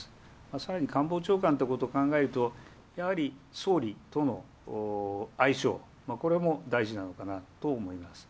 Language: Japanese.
さらに官房長官ということを考えると、やはり総理との相性、これも大事なのかなと思います。